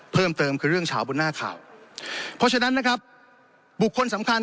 เพิ่มเติมคือเรื่องเฉาบนหน้าข่าวเพราะฉะนั้นนะครับบุคคลสำคัญ